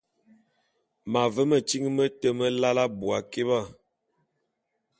M’ave metyiñ mete melae abui akiba.